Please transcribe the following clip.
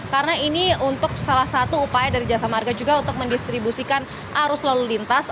karena ini untuk salah satu upaya dari jasa marga juga untuk mendistribusikan arus lalu lintas